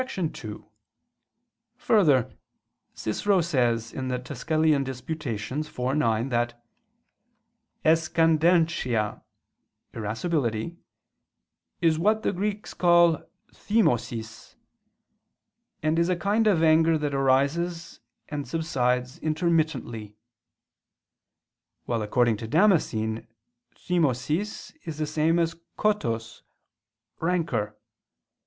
2: Further, Cicero says (De Quaest. Tusc. iv, 9) that "excandescentia (irascibility) is what the Greeks call thymosis, and is a kind of anger that arises and subsides intermittently"; while according to Damascene thymosis, is the same as kotos (rancor).